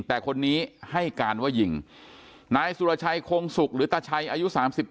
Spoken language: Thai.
แต่คนนี้ให้การว่ายิงนายสุรชัยคงสุกหรือตาชัยอายุ๓๙